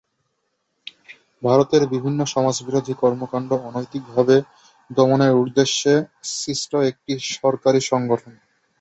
ভারতের বিভিন্ন সমাজবিরোধী কর্মকাণ্ড অনৈতিকভাবে দমনের উদ্দেশ্যে সৃষ্ট একটি সরকারি সংগঠন।